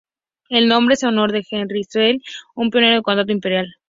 El nombre es en honor a Henry Seeley, un pionero del condado de Imperial.